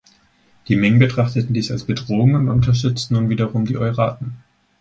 Die Ming betrachteten dies als Bedrohung und unterstützten nun wiederum die Oiraten.